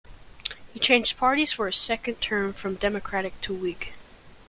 He changed parties for his second term from Democratic to Whig.